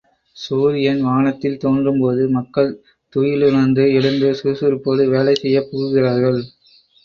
சூரியன் வானத்தில் தோன்றும்போது மக்கள் துயிலுணர்ந்து எழுந்து சுறுசுறுப்போடு வேலை செய்யப் புகுகிறார்கள்.